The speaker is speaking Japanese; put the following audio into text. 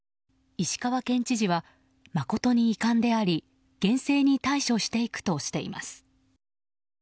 石川県知事は誠に遺憾であり厳正に対処していくとしています。